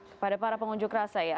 kepada para pengunjuk rasa ya